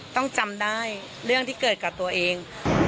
ต้องจำได้เรื่องที่เกิดกับตัวเอง